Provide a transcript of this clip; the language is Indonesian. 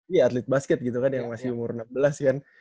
iya atlet basket gitu kan yang masih umur enam belas kan